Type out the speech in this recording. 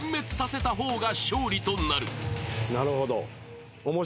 なるほど。